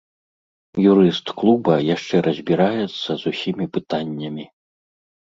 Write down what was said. Юрыст клуба яшчэ разбіраецца з усімі пытаннямі.